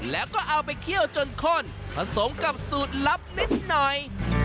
แล้วก็เอาไปเคี่ยวจนข้นผสมกับสูตรลับนิดหน่อย